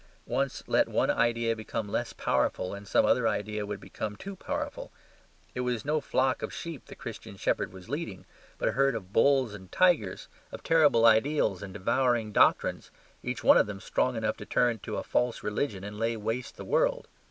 Once let one idea become less powerful and some other idea would become too powerful. It was no flock of sheep the Christian shepherd was leading, but a herd of bulls and tigers, of terrible ideals and devouring doctrines, each one of them strong enough to turn to a false religion and lay waste the world.